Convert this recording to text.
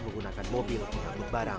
menggunakan mobil menganggut barang